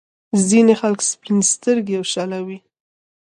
ځينې خلک سپين سترګي او شله وي.